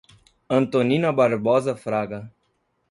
Antonina Barbosa Fraga